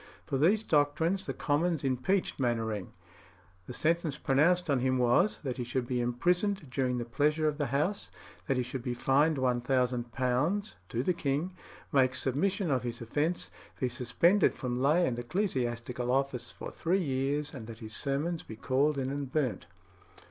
For these doctrines the Commons impeached Mainwaring; the sentence pronounced on him was, that he should be imprisoned during the pleasure of the House, that he should be fined £1000, to the king, make submission of his offence, be suspended from lay and ecclesiastical office for three years, and that his sermons be called in and burnt.